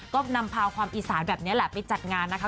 ก็นำพาความอีสานแบบนี้แหละไปจัดงานนะคะ